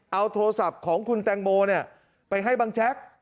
เอาโทรศัพท์ของคุณแตงโมไปให้บังแจ๊ก